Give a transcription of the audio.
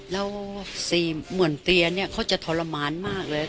แล้วเหมือนเปียร์เนี่ยเขาจะทรมานมากเลย